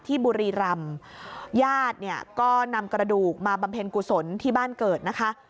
บุรีรำญาติเนี่ยก็นำกระดูกมาบำเพ็ญกุศลที่บ้านเกิดนะคะ